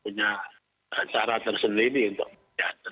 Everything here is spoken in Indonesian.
punya cara terselidiki untuk menyiapkan